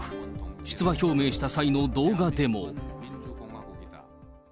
出馬表明した際の動画でも。